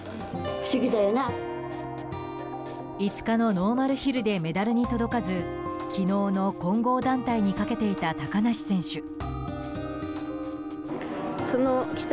５日のノーマルヒルでメダルに届かず昨日の混合団体にかけていた高梨選手。